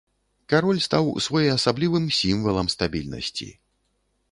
Кароль стаў своеасаблівым сімвалам стабільнасці.